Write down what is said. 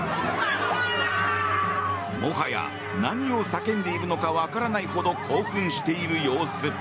もはや、何を叫んでいるのか分からないほど興奮している様子。